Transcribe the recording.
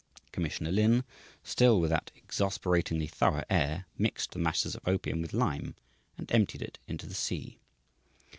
Commissioner Lin, still with that exasperatingly thorough air, mixed the masses of opium with lime and emptied it into the sea.